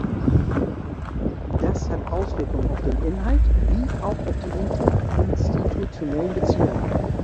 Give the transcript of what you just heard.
Das hat Auswirkungen auf den Inhalt wie auch auf die interinstitutionellen Beziehungen.